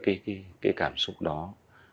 tôi vẫn giữ được cái cảm xúc mà cho đến tận bây giờ